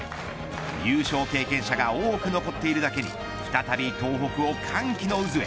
優勝経験者が多く残っているだけに再び東北を歓喜の渦へ。